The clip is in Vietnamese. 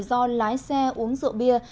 do lái xe uống rượu bia